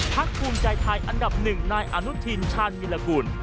ภูมิใจไทยอันดับหนึ่งนายอนุทินชาญวิรากุล